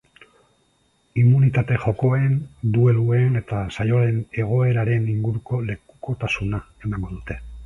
Immunitate jokoen, dueluen eta saioaren egoeraren inguruko lekukotasuna emango dute.